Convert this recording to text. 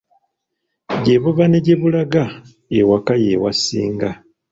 Ggye buva ne gye bulaga ewaka ye wasinga.